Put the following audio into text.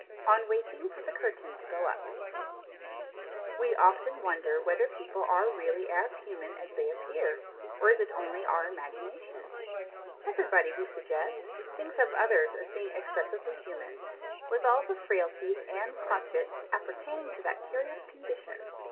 ON WAITING FOR THE CURTAIN TO GO UP We often wonder whether people are really as human as they appear, or is it only our imagination? Everybody, we suggest, thinks of others as being excessively human, with all the frailties and crotchets appertaining to that curious condition.